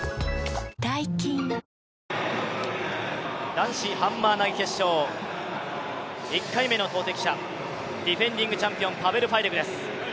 男子ハンマー投決勝、１回目の投てき者、ディフェンディングチャンピオン、パベル・ファイデクです。